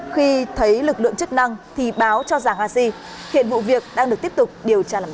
khi thấy lực lượng chức năng thì báo cho giàng a di hiện vụ việc đang được tiếp tục điều tra làm rõ